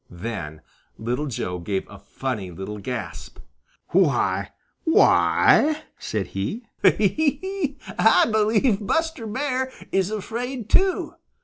Then Little Joe gave a funny little gasp. "Why, why e e!" said he, "I believe Buster Bear is afraid too!"